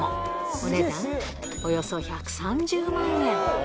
お値段、およそ１３０万円。